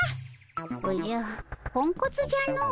おじゃポンコツじゃの。